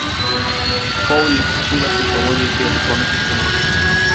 Holly sube al automóvil y reconoce a su novio.